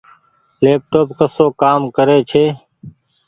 ليپ ٽوپ ڪسو ڪآ ڪري ڇي ۔